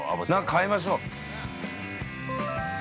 ◆買いましょう。